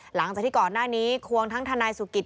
หลังจากที่ก่อนหน้านี้ควงทั้งทนายสุกิต